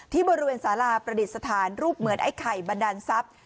ที่บริเวณสาราประดิษฐานรูปเหมือนไอ้ไข่บันดาลทรัพย์